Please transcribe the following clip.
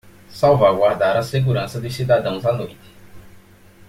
Salvaguardar a segurança dos cidadãos à noite